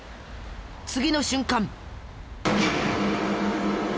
次の瞬間。